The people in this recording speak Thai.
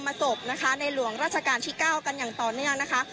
มาสบนะคะในหลวงราชการที่เก้ากันอย่างต่อเนี้ยนะคะ